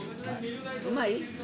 うまい？